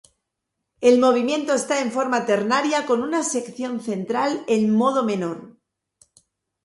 El movimiento está en forma ternaria con una sección central en modo menor.